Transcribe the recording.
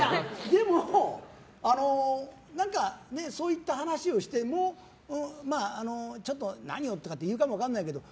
でも、そういった話をしてもちょっと、何よ！って言うかも分かんないけど。